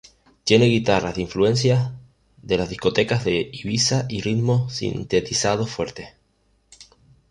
Tiene guitarras de influencias de las discotecas de Ibiza, y ritmos sintetizados fuertes.